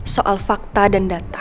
soal fakta dan data